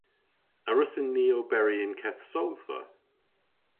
A wrussyn ni oberi y'n keth sodhva?